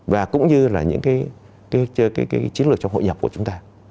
và cũng như là những cái chiến lược trong hội nhập của chúng ta